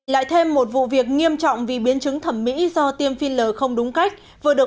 lại thêm một vụ việc nghiêm trọng vì biến chứng thẩm mỹ do tiêm filler không đúng cách vừa được